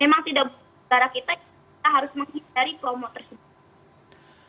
memang tidak bergara kita kita harus mengikuti dari promo tersebut